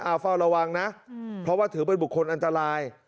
เอาเฝ้าระวังนะเพราะว่าถือเป็นบุคคลอันตราย